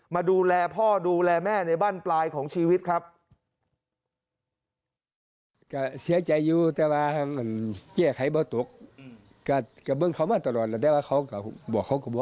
มาดูแลพ่อดูแลแม่ในบ้านปลายของชีวิตครับ